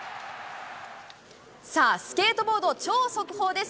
さあ、スケートボード、超速報です。